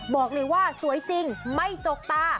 บอกเลยว่าสวยจริงไม่จกตา